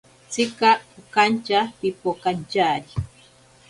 Tsika okantya pipokantyari.